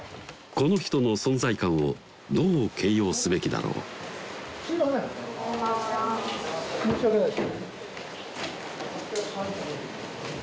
この人の存在感をどう形容すべきだろうすいません申し訳ないです